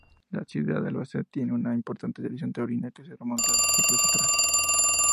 La ciudad de Albacete tiene una importante tradición taurina que se remonta siglos atrás.